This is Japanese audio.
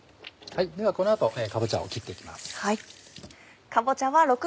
ではこの後かぼちゃを切っていきます。